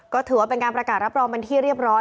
ก็ถือว่าเป็นการประกาศรับรองเป็นที่เรียบร้อย